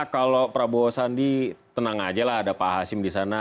kalau prabowo sandi tenang aja lah ada pak hasim di sana